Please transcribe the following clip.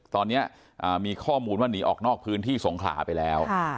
ตอนนี้มีข้อมูลว่าหนีออกนอกพื้นที่สงขลาไปแล้ว